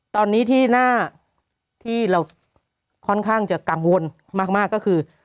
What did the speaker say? ตอนนี้ที่หน้าที่เราค่อนข้างจะกังวลมากก็คือ